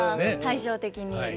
対照的に。